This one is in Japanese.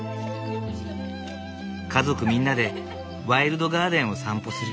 家族みんなでワイルドガーデンを散歩する。